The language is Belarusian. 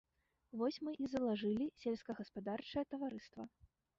Вось мы і залажылі сельскагаспадарчае таварыства.